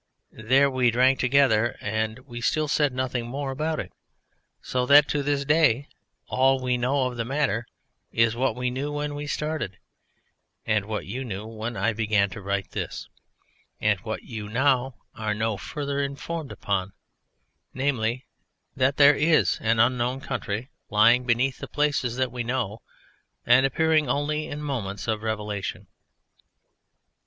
There we drank together and we still said nothing more about it, so that to this day all we know of the matter is what we knew when we started, and what you knew when I began to write this, and what you are now no further informed upon, namely, that there is an Unknown Country lying beneath the places that we know, and appearing only in moments of revelation.